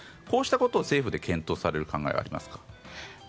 こうしたことを政府で検討される考えはありますか？